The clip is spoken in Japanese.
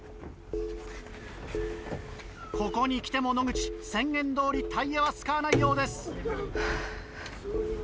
ここに来ても野口宣言どおりタイヤは使わないようです。